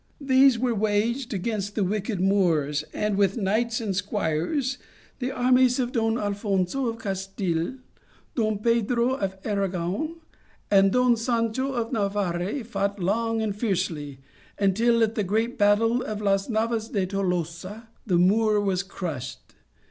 These were waged against the wicked Moors, and with knights and squires, the armies of Don Al phonso of Castile, Don Pedro of Aragon, and Don Sancho of Navarre fought long and fiercely until, at the great battle of Las Navas de Tolosa, the Moor was crushed.